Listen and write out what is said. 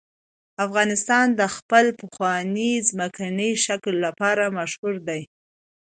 افغانستان د خپل پخواني ځمکني شکل لپاره مشهور دی.